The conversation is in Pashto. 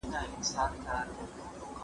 حنکير نړۍ ته سفرونه کړي دي.